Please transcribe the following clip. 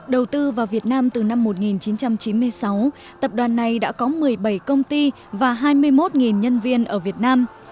đầu tư vào việt nam từ năm một nghìn chín trăm chín mươi sáu tập đoàn này đã có một mươi bảy công ty và hai mươi một nhân viên ở việt nam